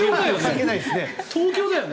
東京だよね。